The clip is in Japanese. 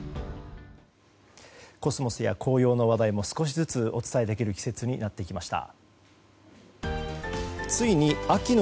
コスモスや紅葉の話題も少しずつお伝えできる季節になってきました。